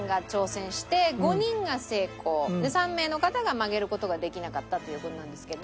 ３名の方が曲げる事ができなかったという事なんですけど。